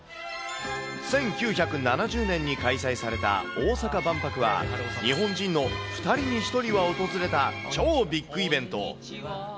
１９７０年に開催された大阪万博は、日本人の２人に１人は訪れた超ビッグイベント。